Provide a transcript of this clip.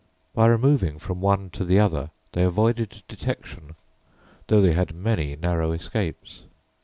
By removing from one to the other they avoided detection, though they had many narrow escapes.